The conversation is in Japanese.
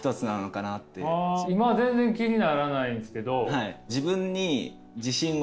今全然気にならないんですけど。